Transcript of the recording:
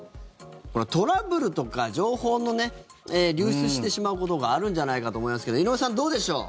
トラブルとか情報が流出してしまうことがあるんじゃないかと思いますけど井上さん、どうでしょう。